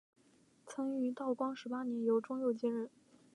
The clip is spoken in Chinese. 曾于道光十八年由中佑接任。